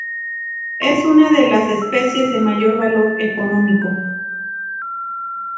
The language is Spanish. Es una de las especies de mayor valor económico.